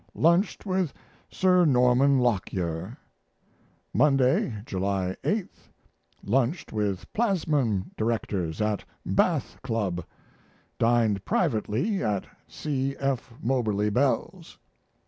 Lunched with Sir Norman Lockyer. Monday, July 8. Lunched with Plasmon directors at Bath Club. Dined privately at C. F. Moberly Bell's.